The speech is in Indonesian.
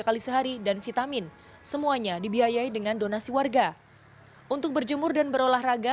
kali sehari dan vitamin semuanya dibiayai dengan donasi warga untuk berjemur dan berolahraga